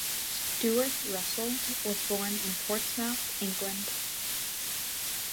Stuart Russell was born in Portsmouth, England.